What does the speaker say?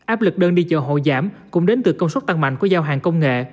áp lực đơn đi chợ hội giảm cũng đến từ công suất tăng mạnh của giao hàng công nghệ